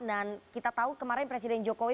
dan kita tahu kemarin presiden jokowi